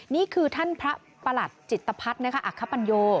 นี่คือท่านพระประหลัดจิตภัทรอัคคปัญโย